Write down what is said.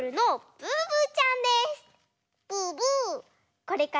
ブーブー。